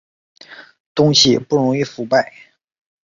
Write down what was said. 东西不容易腐败